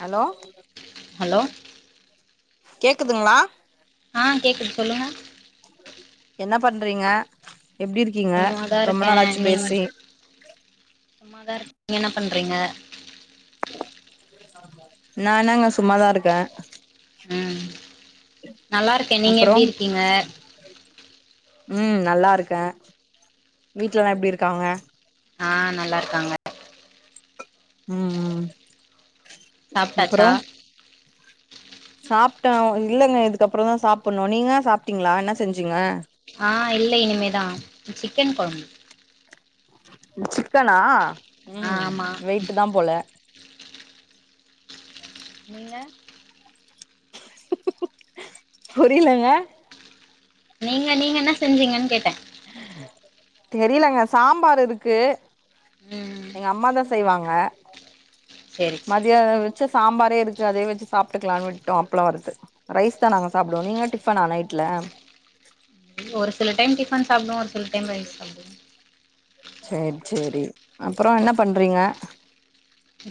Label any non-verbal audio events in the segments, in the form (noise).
hello hello கேக்குதுங்களா ஆ கேக்குது சொல்லுங்க என்ன பண்றீங்க எப்டி இருக்கீங்க சும்மாதா ரொம்ப இருக்கே நாளாச்சு நீ பேசி மட் சும்மாதா இருக்க நீங்க என்ன பண்றீங்க நானாங்க சும்மாதா இருக்கே உம் நல்லா இருக்கே நீங்க எப்டி இருக்கீங்க உம் நல்லா இருக்க வீட்லல்லா எப்டி இருக்காங்க ஆ நல்லா இருக்காங்க உம் உம் சாப்ட்டாச்சா சாப்ட்டோம் இல்லங்க இதுக்கப்புறந்தா சாப்பண்ணு நீங்க சாப்ட்டீங்களா என்ன செஞ்சிங்க ஆ இல்ல இனிமேதா சிக்கன் குழம்பு சிக்கனா ஆ உம் ஆமா வெயிட்டு தா போல நீங்க புரிலங்க நீங்க நீங்க என்ன செஞ்சீங்கன் கேட்ட தெரிலங்க சாம்பாரு இருக்கு ம் எங்க அம்மாதா செய்வாங்க அ சேரி சேரி மத்தியான வெச்சஸ் சாம்பாரே இருக்கு அதே வச்சி சாப்ட்டுக்கலான் விட்டோ அப்பளோ வருத்து ரைஸ் தா நாங்க சாப்பிடுவோ நீங்க டிஃபனா நைட்ல ஒரு சில டைம் டிபன் சாப்டுவோ ஒரு சில டைம் ரைஸ் சாப்டுவோ செரி செரி அப்புற என்ன பண்றீங்க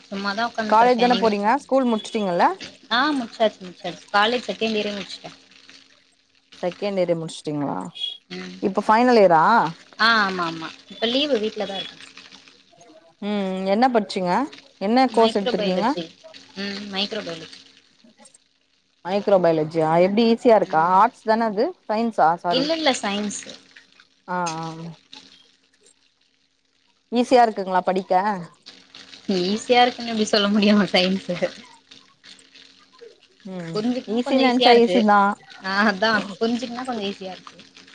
சும்மாதா காலேஜ் உக்காந்ட்டுருக்கே தான நீங்க போறீங்க ஸ்கூல் முடிச்சுட்டீங்கல்ல ஆ முச்சாச்சி முச்சாச்சி காலேஜ் செ கேண்டியரே முச்சிட்ட செகண்டியரே முடிச்சிட்டிங்களா ம் இப்ப பைனல் இயர் தா ஆ ஆமா ஆமா இப்ப லீவு வீட்லதா இருக்க உம்ம் என்ன பச்சிங்க மைக்ரோபைலஜி ம் மைக்ரோபைலஜி மைக்ரோபைலஜியா எ ஈஸியா இருக்கா ம் ஆர்ட்ஸ் தானே அது சைன்ஸா சாரி இல்ல இல்ல சயின்ஸு ஆஹ் ஆஹ் உம் ஈஸியா இருக்குங்களா படிக்க சைன்ஸ்சு ம் புரிஞ்சுக்குனா கொஞ்சம் ஈஸின்னு ஈஸியா நெனச்சா இருக்கு ஈஸி தா ஆஹ் அத்தான் புரிஞ்சுக்குனா கொஞ்சம் ஈஸி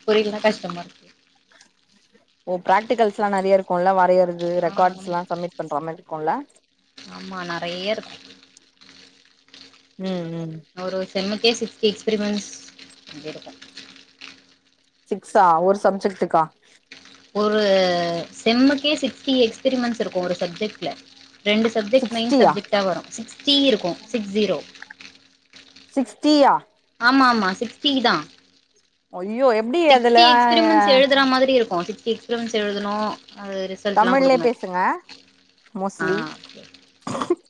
புரிலன்னா கஷ்டமா இருக்கு ஓ பிராக்டிகல்ஸ்லாம் நிறைய இருக்கும் வரைய து ஆ ரெக்கார்ட்ஸ் ஆமா எல்லாம் சமிட் பண்ற மாரி கொள்ள ஆமா நறைய இருக்கு உம் உம் செமக்கே சிக்ஸ்டி எக்ஸ்பிரிமென்ஸ் இருக்கும் சிக்ஸா ஒரு சப்ஜெட்டுக்கா ஒரு செம்முக்கே சிக்ஸ்டி எக்ஸ்பிரமென்ஸ் இருக்கும் ஒரு சப்ஜெட்ல ரெண்டு சப்ஜெட் மெயின் சிக்ஸ்டியா சப்ஜெட்டா வரும் சிக்ஸ்டி இருக்கும் சிக்ஸ் ஜீரோ சிக்ஸ்ட்டீயா ஆமா ஆமா சிக்ஸ்டி தான் அய்யோ எப்டி அதுல கும் சிக்ஸ்டி எக்ஸ்பிமென்ஸ் எழுதணும் தமிழ்லயே பேசுங்க ஆ மோஸ்ட்லி (inaudible)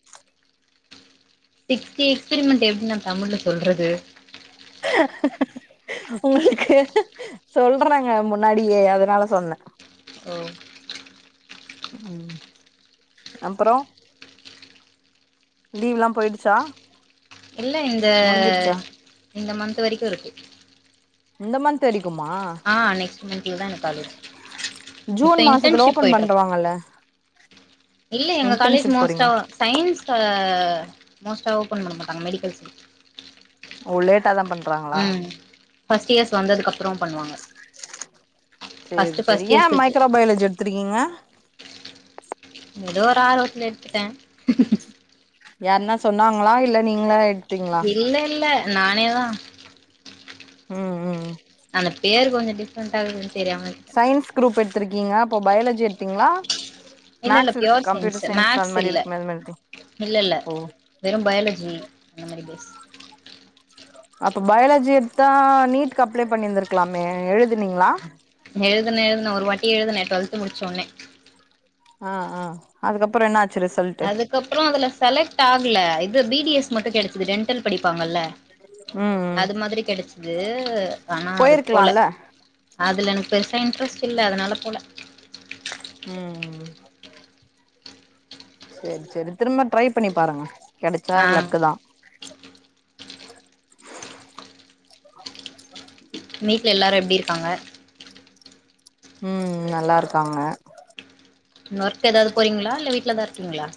சிக்டி எக்ஸ்பிரமெண்ட் எப்டி நா தமிழ்ல சொல்றது உங்களுக்கு சொல்றாங்க முன்னாடியே அதனால சொன்னேன் ஓ உம் அப்பறம் லீவ் எல்லாம் போயிடுச்சா இல்ல இந்த முடிஞ்சிடுச்சா இந்த மந்த் வரைக்கும் இருக்கு இந்த மந்த் வரைக்கும் ஆஹ் நெக்ஸ்ட் மந்த்லதா காலேஜ் ப இப்ப ஜூன் மாசத்துல இன்டர்ன்ஷிப் ஓபன் போய்ட்டு இருக்க பண்றவாங்கல்ல இல்ல எங்க காலேஜ் இன்டர்ன்ஷிப் மோஸ்டா போறீங்களா ஆ சயின்ஸ் ஆஹ் மோஸ்ட்டா ஓப்பன் பண்ண மாட்டாங்க மெடிக்கல்ஸ் உள்ளேன் டாதான் பண்றாங்களா ம் ஃபர்ஸ்ட் இயர்ஸ் வந்ததுக்கப்றோ பண்ணுவாங்க சேரி ஃபர்ஸ்ட்டு சேரி ஃபர்ஸ்ட் ஏன் இயர்ஸ்க்கு மைக்ரோபயாலஜி எடுத்துருக்கீங்க ஏதோ ஒரு ஆர்வத்துல எடுத்துட்டேன் யாருன்னா சொன்னாங்களா இல்ல நீங்களா எடுத்தீங்களா இல்ல இல்ல நானே தான் உம் உம் உம் அந்த பேர் கொஞ்சோ டிப்ரெண்டா இருக்கு சயின்ஸ் குரூப் எடுத்திருக்கீங்க அப்போ பயாலஜி எடுத்தீங்களா இல்ல இல்ல maths with pure computer science science அந்த மேக்ஸ் மாரி இல்ல இருக்குமே அது மாரி இல்ல இல்ல ஓ வெறும் பயாலஜி அந்த மாரி பேஸ் அப்ப பயாலாஜி எடுத்தா நீட்டுக்கு அப்ளை பண்ணிருந்திருக்கலாமே எழுதி னீங்களா துன எழுதுன ஒரு வாட்டி எழுதுன டுவெல்த் முடிச்ச உடனே ஆஹ் ஆஹ் அதுக்கப்றோ என்ன ஆச் அதுக்கப்றோ அதுல செலக்ட் ஆகல இது பி டி எஸ் மட்டு கெடைச்சுது டெண் ட்டல் படிப்பாங்கல்ல ம் ம் அது மாதிரி கெடைச்சது ஆனா அதுக்கு போகல போயிருக்கலால்ல அதுல எனக்கு பெருசா இன்ட்ரெஸ்ட் இல்ல அதனால போல உம் சேரி சேரி திரும்ப ட்ரை பண்ணி பாருங்க கெடைச்சா ஆ லக்குதா (unintelligible) நீ ல எல்லாரு எப்டி இருக்காங்க உம் நல்லா இருக்காங்க ஒர்க் ஏதாவது போறீங்களா இல்ல வீட்லதா இருக் கீங்ளா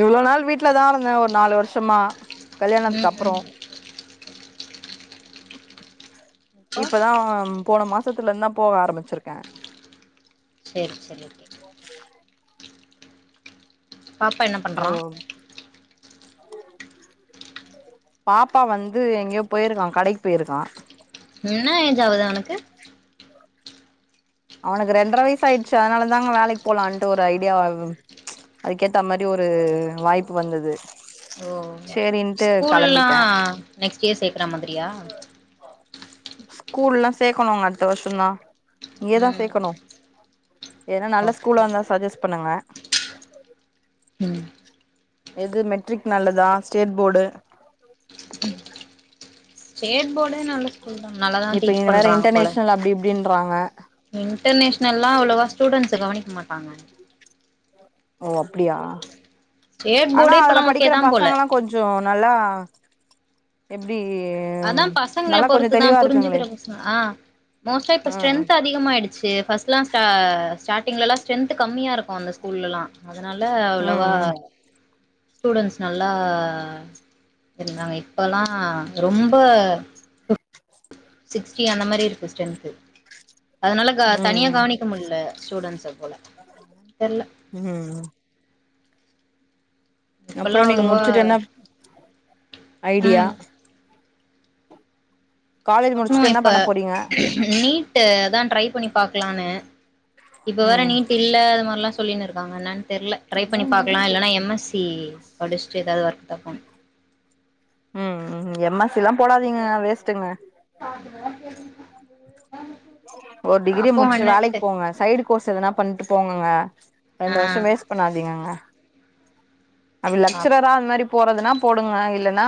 இவ்ளோ நாள் வீட்லதா இருந்தே ஒரு நாலு வருஷமா கல்யாணத்துக்கு ம் அப்றோ ம் இப்போ இப்பதா போன மாசத்துல இருந்துதா போக ஆரம்பிச்சிருக்கே செரி ஓகே பாப்பா என்ன பண்றா ஒரு பாப்பா வந்து எங்கேயோ போயிருக்கா கடைக்கி போயிருக்கா என்ன ஏஜ் ஆவுது அவனுக்கு அவனுக்கு ரெண்ட்ர வயசு ஆயிடுச்சு அதனாலதாங்க வேலைக்கு போலான்ட்டு ஒரு ஐடியா அதுக்கேத்தா மாரி ஒரு வாய்ப்பு வந்தது ஓ சேரின்ட்டு ஸ்கூல்லா கெளம்பிட்டே நெக்ஸ்ட் இயர் சேக்கறா மாதிரியா ஸ்கூல்லா சேக்கணுங்க அடுத்த வருஷந்தா இங்கயேதா ம் சேக்கணு எதுனா நல்ல ஓகே ஸ்கூலா இருந்தா ஓகே சஜஸ் பண்ணுங்க உம் எது மெட்ரிக் நல்லதா ஸ்டேட் போடு ஸ்டேட் போர்டே நல்ல ஸ்கூல் தா நல்லாதா டீச் பண்றாங்க போல றாங்க இன்டர்நேஷ்னல்லா அவ்ளவா ஸ்டூடெண்ட்ஸ கவனிக்க மாட்டாங்க ஓ அப்டியா ஸ்டேட் ஆனா போர்டே அதுல இப்பல்லா ஓகே படிக்கிற தா போல பசங்கலா‌ கொஞ்சொ நல்லா எப் அதா பசங்ள பொறுத்துதா தெளிவா இருக்குங்களே புரிஞ்சுக்கிற பசங் ஆ மோஸ்ட்டா இப்ப ம் ஸ்ட்ரென்த் அதிகமாயிடுச்சு ஃபஸ்ட்லா ஸ்டா ஸ்டாடிங்லல்லா ஸ்ட்ரென்த்து கம்மியா இருக்கு‌ அந்த ஸ்கூல்லல்லா அதுனால ம் அவ்ளவா ம் ஸ்டூடென்ஸ் நல்லா இருந்தாங்க இப்பல்லா ரொம்ப சிக்ஸ்டி அந்த மாரி இருக்கு ஸ்டென்த்து அதனால க தனியா ம் கவனிக்க முல்ல ஸ்டூடண்ட்ஸ கூல தெர்ல ம் ம் இப்பல்லா அப்றோ நீங்க அவ்ளோவா முடுச்சுட்டு என்ன ஐடியா ம் காலேஜ் பாக்கணு முடிச்சுட்டு என்ன இப்ப பண்ண போறீங்க நீட்டுதா ட்ரை பண்ணி பாக்லானு இப்ப வேற ம் நீட் இல்ல அது மாரிலா சொ சொல்லினு இருக்காங்க என்னன் தெர்ல ட்ரை பண்ணி பாக்கலா இல்லனா எம் எஸ் சி படிச்ட்டு எதாவ்து ஒர்க தா போனு உம் எம் எஸ் சி லா போடாதீங்க வேஸ்ட்டுங்க (inaudible) ஒரு டிகிரி பாப்போ முடுச்ட்டு வேலைக் என்னன்ட்டு போங்க சைடு கோர்ஸ் எதுனா பண்ட்டு போங்கங்க ஆ ரெண்டு வருஷம் வேஸ்ட் பண்ணாதீங்கங்க அப்ப பாப்போ லெக்சரரா அந் மாரி போறதுனா போடுங்க இல்லன் னா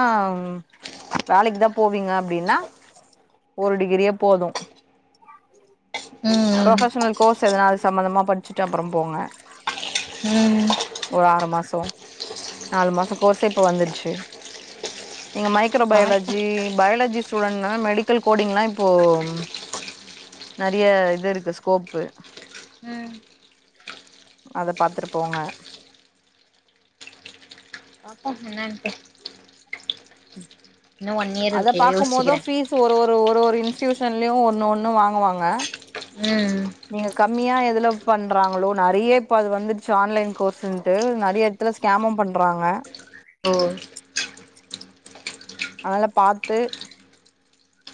வேலைக் தா போவீங்க அப்டின்னா ஒரு டிகிரியே போதும் ம் ப்ரொஃபஷ்னல் கோர்ஸ் எதனால் சம்மந்தமா பட் ச்சுட்டு அப்புறம் போங்க ம் ஒரு ஆறு மாசொ நாலு மாச கோர்ஸே இப்ப வந்துச்சு நீங்க மைக்ரோ பாப்போ பயாலஜி பயாலஜி ஸ்டூடெண்ட்னா மெடிக்கல் கோடிங்லா இப்போ நெறைய இது இருக்கு ஸ்கோப்பு உம் அத பாத்துட்டு போங்க பாப்போ என்னட்டு அத பாக்கும் யோசிக்கிறே போதும் பீஸு ஒரு ஒரு ஒரு இன்ஸ்டியூஷன்லயு ஒன்னு ஒன்னு வாங்குவாங்க அ உம் ம்மியா எதுல பண்றாங்களோ நறைய இப்ப அது வந்துச்சி ஆன்லைன் கோர்ஸ்ன்ட்டு நறைய எடத்துல ஸ்கேமு பண்றாங்க ஓ அதெல்ல பாத்து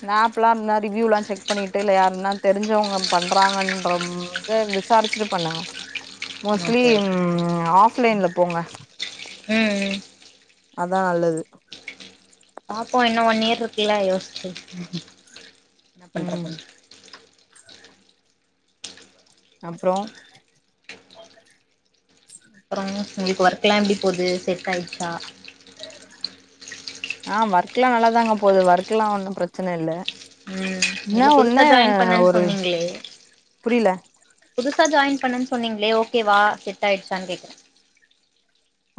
மேப்லா இந்மாரி வியூ லா செக் பண்ணிட்டு இல்ல யாருனா தெரிஞ்சவ பண்றாங்கன்ற து விசாரிச்சிட்டு பண்ணுங்க மோஸ்லி ஓகே ம் ஆஃப் லைன்ல போங்க ம் ம் அதா நல்லது பாப்போ இன்னு ஒன் இயர் இருக்குல்ல யோஸ்ச்சி என்ன ம் பண்றதுனு அப்புறோ அப்புற உங்ளுக்கு ஒர்க் எல்லா எப்டி போது செட் ஆயிடுச்சா ஆ ஒர்க் எல்லா நல்லாதாங்க போது ஒர்க் எல்லா ஒன்னும் பிரச்சன இல்ல என்ன இல்ல புதுசா ஒன்னு ஜாயின் பண்ணன் ஒரு சொன்னீங்களே புரில புதுசா ஜாயின் பண்ணன் சொன்னீங்களே ஓகேவா செட் ஆயிடுச்சான் கேக்குற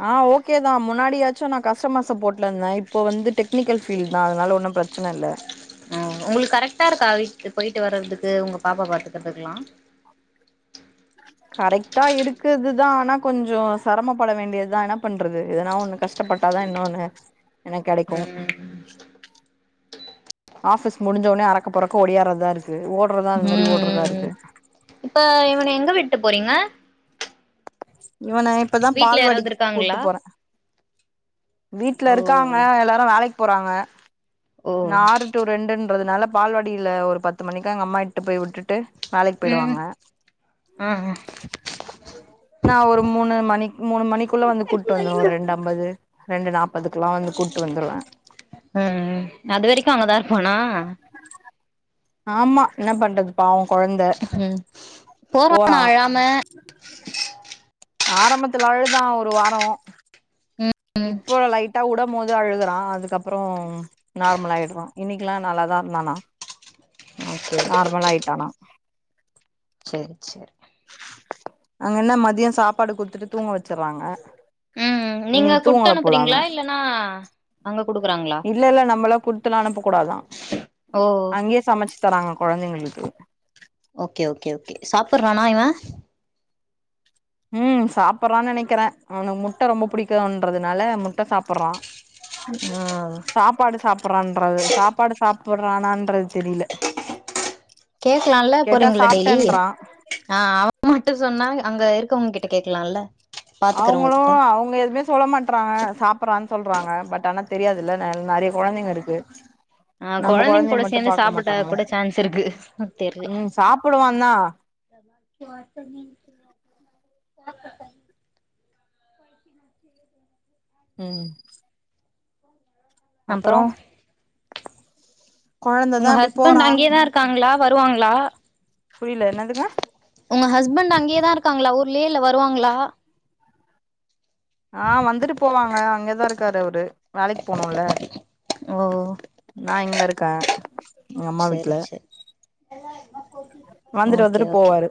ஆ ஓகே தா முன்னாடியாச்சு நா கஸ்டமர்ஸ போட்ல இருந்தே இப்போ வந்து டெக்னிக்கல் ஃபீல் தா அதனால ஒன்னும் பிரச்சன இல்ல உங்களுக் கரெக்ட்டா இருக்கா போயிட்டு வர்றதுக்கு உங்க பாப்பா பாத்துக்கறதுக்கெலா கரெக்ட்டா இருக்குதுதா ஆனா கொஞ்ச சிரமப்பட வேண்டியதுதா என்ன பண்றது எதனா ஒண்ணு கஷ்டப்பட்டாதா இன்னொன்னு என்ன கெடைக்கு ம் ஆபிஸ் முடிஞ்ச உனே அறக்க பறக்க ஓடியாறதா இருக்கு ஓட்றதா ம் அந்த மாரி ம் ஓட்றதா ம் இருக்கு இப்ப இவன எங்க விட்டு போறீங்க (inaudible) இவன இப்பதா வீட்ல யாராவது பால்வாடிக் கூப்ட்டு இருக்காங்களா போற வீட்ல இருக்காங்க ஓ எல்லாரு வேலைக் போறாங்க ஓ நா ஆறு டு ரெண்டுன்றதுனால பால்வாடில ஒரு பத்து மணிக்கா எங்க அம்மா இட்டு போய் வுட்டுட்டு உம் ஆ அ நா ஒரு மூணு மணி மூணு மணிக்குள்ள வந்து கூப்ட்டு வந்துர ரெண்டு அம்பது ரெண்டு நாப்பதுக்குலா வந்து கூட்டு வந்துருவ ம் அது வரைக்கு அங்கதா இருப்பானா ஆம்மா இன்ன பண்றது பாவ ம் போறனா அழாம ஆரம்பத்துல அழுதா ஒரு வாரோ ம் இப்போ லைட்டா உட ம்போது அழுகுறா அதுக்கப்புறோ நார்மல் ஆயிட்ற இன்னிக் கிலா நல்லாதா இருந்தானா ஓகே ஓகே நார்மல் ஆயிட்டான சேரி சேரி அங்க என்ன மதியம் சாப்பாடு குடுத்துட்டு தூங்க வச்சிறாங்க உம் நீங்க குடுத்து அனுப்புறீங்களா இல்லன்னா அங்க குடுக்குறாங்களா இல்ல இல்ல நம்மளாம் குடுத்துலாம் அனுப்ப கூடாதான் ஓ அங்கேயே சமைச்சு தராங்க குழந்தைங்களுக்கு ஓகே ஓகே ஓகே சாப்புட்றானா இவ உம் சாப்படுறான்னு நினைக்கிறேன் அவனக்கு முட்டை ரொம்ப பிடிக்கும்ன்றதுனால மு சாப்பிடுறன் ஆ சாப்பாடு சாப்பற சாப்பாடு சா போடுறானன்றது தெரியல கேக்கலாம்ல போறீங்களா டெய்லி சாப்ட்டேன்றா ஆஹ் அவன் மட்டும் சொன்னா அங்க இருக்கவங்க கிட்ட கேக்கலாம்ல அவங்களும் அவங்க எதுவுமே சொல்ல மாட்டறாங்க சாப்பறான்னு சொல்றாங்க பட் ஆன தெரியாதுல்ல நிறைய குழந்தைங்க இருக்கு ஆஹ் நம்ம குழந்தைங்க கொழந்தைய கூட மட்டு சேர்ந்து பாக்க சாப்பிட மாட்டாங்கள கூட சான்ஸ் இருக்கு தெரில ம் சாப்புடுவாந்தா ச (inaudible) உம் அப்பறோ அப்பறம் உங்க ஹஸ்பண்ட் போறா அங்கேயேதான் இருக்காங்களா வருவாங்களா புரில என்னதுங்க உங்க ஹஸ்பண்ட் அங்கயே தா இருக்காங்களா ஊர்லேயல வருவாங்களா ஆஹ் வந்துட்டு போவாங்க அங்கதான் இருக்காரு அவரு வேலைக்கு போனும்ல ஓ நான் இங்க இருக்கேன் எங்க அம்மா செரி வீட்ல செரி வந்துட்டு ஓகே வந்துட்டு ஓகே போவாரு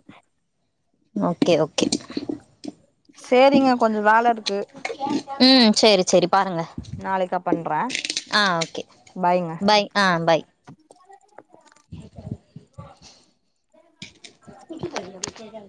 ஓகே ஓகே சேரிங்க கொஞ்ச வேலை இருக்கு உம் சேரி சேரி பாருங்க நாளைக்கா பண்றே ஆஹ் ஓகே பாய்ங்க பாய் ஆஹ் பாய் குட்டு சொல (inaudible)